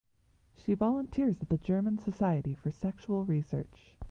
She volunteers at the German Society for Sexual Research.